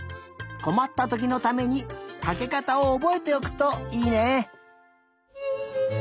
こまったときのためにかけかたをおぼえておくといいね。